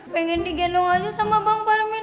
pengen digendong aja sama bang farmin